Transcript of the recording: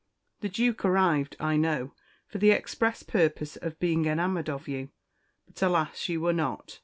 The Duke arrived, I know, for the express purpose of being enamoured of you; but, alas! you were not.